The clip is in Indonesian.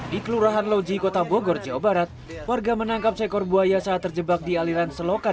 di kelurahan loji kota bogor jawa barat warga menangkap seekor buaya saat terjebak di aliran selokan